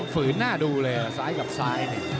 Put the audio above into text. ฝืนหน้าดูเลยซ้ายกับซ้ายนี่